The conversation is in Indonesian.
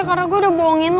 karena gue udah bohongin lo